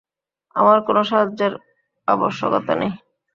আমার কোন সাহায্যের আবশ্যকতা নাই।